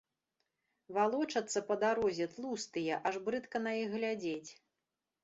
Валочацца па дарозе тлустыя, аж брыдка на іх глядзець.